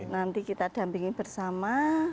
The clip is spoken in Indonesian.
nanti kita dampingi bersama